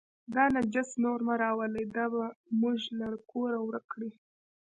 دا نجس نور مه راولئ، دا به موږ له کوره ورک کړي.